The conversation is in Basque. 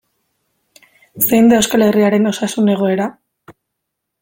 Zein da Euskal Herriaren osasun egoera?